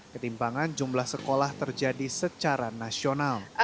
ketimpangan jumlah sekolah terjadi secara nasional